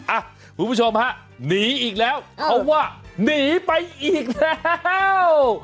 อ่ะคุณผู้ชมฮะหนีอีกแล้วเพราะว่าหนีไปอีกแล้ว